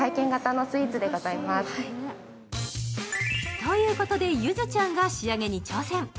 ということでゆずちゃんが仕上げに挑戦。